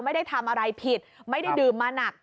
ไม่ได้ทำอะไรผิดไม่ได้ดื่มมาหนัก